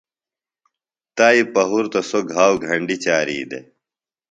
تائی پہُرتہ سوۡ گھاؤ گھنڈیۡ چاری دےۡ۔